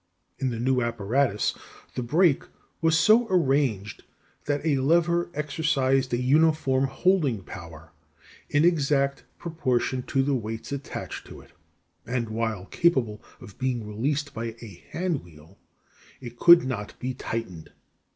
In the new apparatus the brake (Fig. 16) was so arranged that a lever exercised a uniform holding power in exact proportion to the weights attached to it (Fig. 17); and while capable of being released by a hand wheel, it could not be tightened.